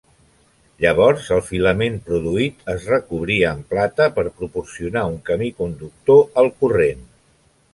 Llavors el filament produït, es recobria amb plata per proporcionar un camí conductor al corrent.